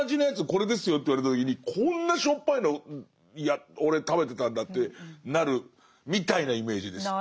これですよと言われた時にこんなしょっぱいのいや俺食べてたんだってなるみたいなイメージです。